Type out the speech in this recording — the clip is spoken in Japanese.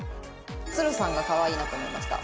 「鶴さんがかわいいなと思いました」。